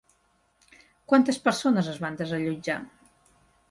Quantes persones es van desallotjar?